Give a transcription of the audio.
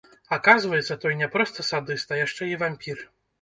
Аказваецца, той не проста садыст, а яшчэ і вампір.